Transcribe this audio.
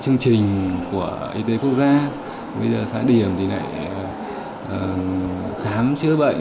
chương trình của y tế quốc gia bây giờ xã điểm thì lại khám chữa bệnh